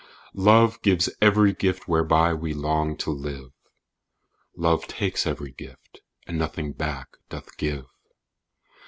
Love gives every gift whereby we long to live "Love takes every gift, and nothing back doth give."